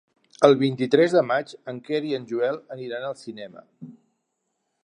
El vint-i-tres de maig en Quer i en Joel aniran al cinema.